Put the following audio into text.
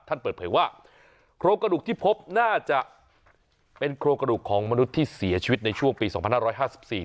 ท่านเปิดเผยว่าโครงกระดูกที่พบน่าจะเป็นโครงกระดูกของมนุษย์ที่เสียชีวิตในช่วงปีสองพันห้าร้อยห้าสิบสี่